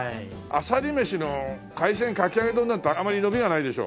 あさり飯の海鮮かき揚げ丼なんてあまり伸びがないでしょう？